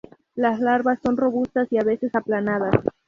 Las larvas son robustas y a veces aplanadas.